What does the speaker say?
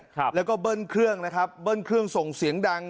ครับแล้วก็เบิ้ลเครื่องนะครับเบิ้ลเครื่องส่งเสียงดัง